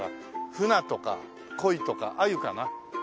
フナとかコイとかアユかな？